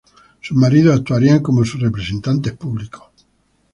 Sus maridos actuarían como sus representantes públicos.